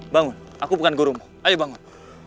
bangun aku bukan gurumu ayo bangun